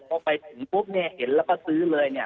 เพราะไปถึงปุ๊บเห็นแล้วก็ซื้อเลย